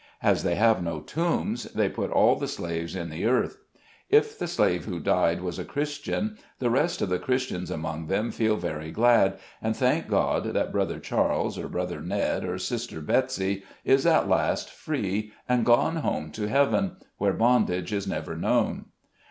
As they have no tombs, they put all the slaves in the earth. If the slave who died was a Christian, the rest of the Christians among them feel very glad, and thank God that brother Charles, or brother Ned, or sister Betsey, is at last free, and gone home to heaven — where bondage is never CUSTOMS OF TEE SLAVES. 181 known.